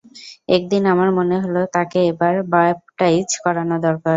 একদিন আমার মনে হল তাকে এবার ব্যাপটাইজ করানো দরকার।